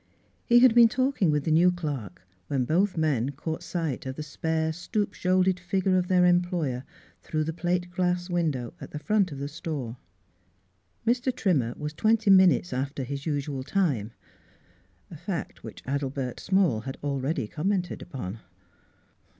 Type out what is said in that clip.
He had been talking with the new clerk when both men caught rini Miss Fhilura's Wedding Gown sight of the spare, stoop shouldered figure of their employer through the plate glass window at the front of the store. Mr. Trimmer was twenty minutes after his usual time, a fact which Adelbert Small had already commented upon.